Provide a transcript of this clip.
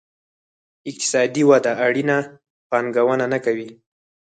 اقتصادي وده اړینه پانګونه نه کوي.